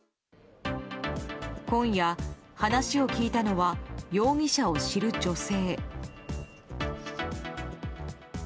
今夜、話を聞いたのは容疑者を知る女性。